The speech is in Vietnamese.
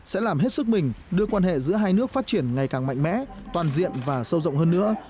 sẽ làm hết sức mình đưa quan hệ giữa hai nước phát triển ngày càng mạnh mẽ toàn diện và sâu rộng hơn nữa